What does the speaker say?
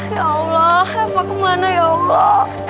ya allah kemana ya allah